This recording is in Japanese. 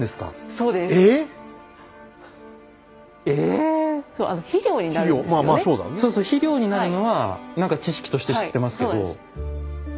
そうそう肥料になるのは何か知識として知ってますけど。